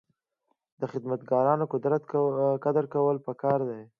د خدمتګارانو قدر کول پکار دي.